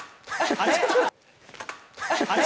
あれ？